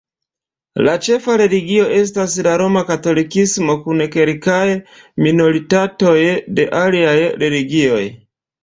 La ĉefa religio estas la Roma Katolikismo kun kelkaj minoritatoj de aliaj religioj.